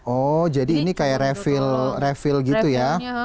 oh jadi ini kayak refil gitu ya